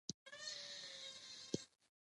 چې د یو سېلاب کموالی او زیاتوالی پکې راغلی.